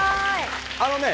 あのね